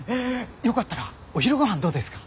よかったらお昼ごはんどうですか？